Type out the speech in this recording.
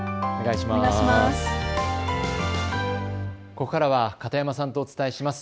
ここからは片山さんとお伝えします。